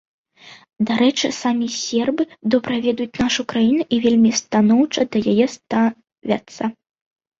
Дарэчы, самі сербы добра ведаюць нашу краіну і вельмі станоўча да яе ставяцца.